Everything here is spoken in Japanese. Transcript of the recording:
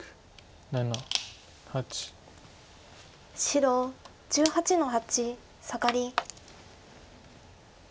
白１８の八サガリ。